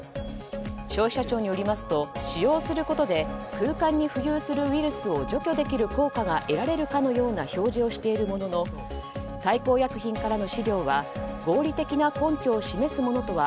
消費者庁によりますと使用することで空間に浮遊するウイルスを除去できる効果が得られるような表示をしているものの大幸薬品からの資料は合理的な根拠を示すものとは